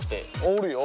おるよ。